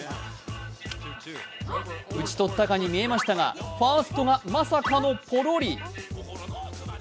打ち取ったかに見えましたがファーストがまさかのポロリ。